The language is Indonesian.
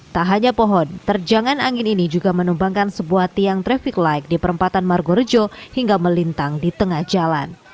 tak hanya pohon terjangan angin ini juga menumbangkan sebuah tiang traffic light di perempatan margorejo hingga melintang di tengah jalan